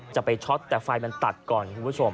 จะไปช็อตแต่ไฟมันตัดก่อนคุณผู้ชม